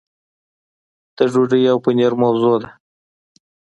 د ډوډۍ او پنیر موضوع ده.